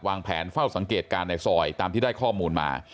วางแผนเฝ้าสังเกตการณ์ในซอยตามที่ได้ข้อมูลมา